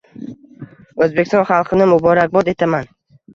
Oʻzbekiston xalqini muborakbod etaman.